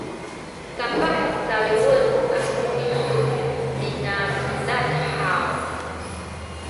kapah caliwen aku kisu tina cudad haw?